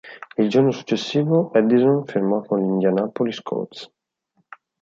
Il giorno successivo, Addison firmò con gli Indianapolis Colts.